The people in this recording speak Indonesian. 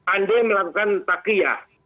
andai melakukan takiyah